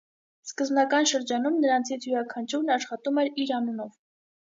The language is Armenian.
Սկբնական շրջանում նրանցից յուրաքանչյուրն աշխատում էր իր անունով։